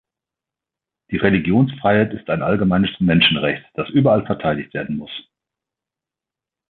Die Religionsfreiheit ist ein allgemeines Menschenrecht, das überall verteidigt werden muss.